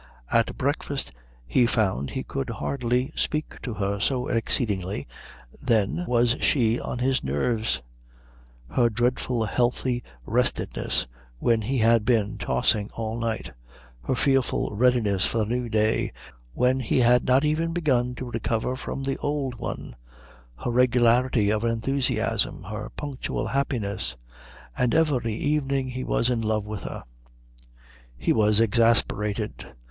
At breakfast he found he could hardly speak to her so exceedingly then was she on his nerves her dreadful healthy restedness when he had been tossing all night, her fearful readiness for the new day when he had not even begun to recover from the old one, her regularity of enthusiasm, her punctual happiness. And every evening he was in love with her. He was exasperated.